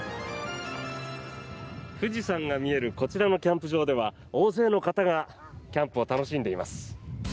富士山が見えるこちらのキャンプ場では大勢の方がキャンプを楽しんでいます。